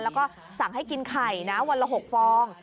แล้วก็สั่งให้กินไข่นะวันละ๖ฟอง